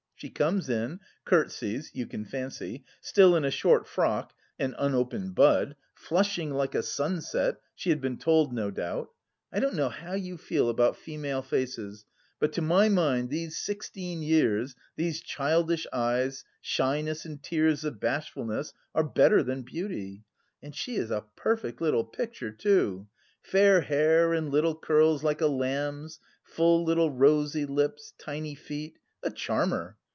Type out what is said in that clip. She comes in, curtseys, you can fancy, still in a short frock an unopened bud! Flushing like a sunset she had been told, no doubt. I don't know how you feel about female faces, but to my mind these sixteen years, these childish eyes, shyness and tears of bashfulness are better than beauty; and she is a perfect little picture, too. Fair hair in little curls, like a lamb's, full little rosy lips, tiny feet, a charmer!...